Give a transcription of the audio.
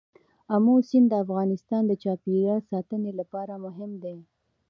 آمو سیند د افغانستان د چاپیریال ساتنې لپاره مهم دي.